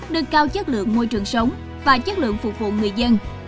nâng cao chất lượng môi trường sống và chất lượng phục vụ người dân